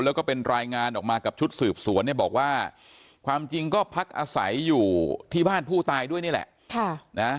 แล้วก็เป็นรายงานออกมากับชุดสืบสวนเนี่ยบอกว่าความจริงก็พักอาศัยอยู่ที่บ้านผู้ตายด้วยนี่แหละ